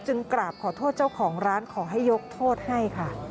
กราบขอโทษเจ้าของร้านขอให้ยกโทษให้ค่ะ